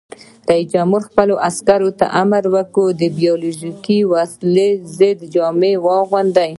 رئیس جمهور خپلو عسکرو ته امر وکړ؛ د بیولوژیکي وسلو ضد جامې واغوندئ!